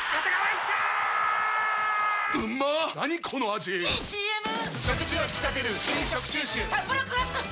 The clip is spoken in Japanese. ⁉いいＣＭ！！